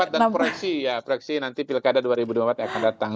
dan proyeksi ya proyeksi nanti pilkada dua ribu dua puluh empat akan datang